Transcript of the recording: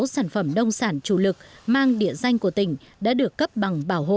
sáu sản phẩm nông sản chủ lực mang địa danh của tỉnh đã được cấp bằng bảo hộ